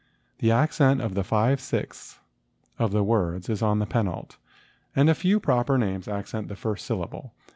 The ac¬ cent of five sixths of the words is on the penult, and a few proper names accent the first syllable.